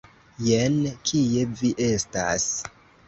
Jen kie vi estas!